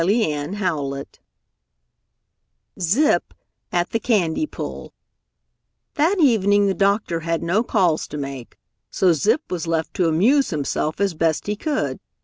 CHAPTER VIII ZIP AT THE CANDY PULL That evening the doctor had no calls to make, so Zip was left to amuse himself as best he could.